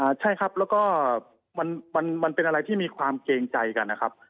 ใช่ครับแล้วก็มันเป็นอะไรที่มีความเกรงใจกันนะครับ